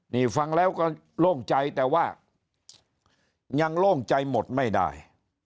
นี่ฟังแล้วก็โล่งใจแต่ว่ายังโล่งใจหมดไม่ได้